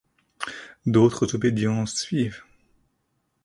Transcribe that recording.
D'autres obédiences suivent.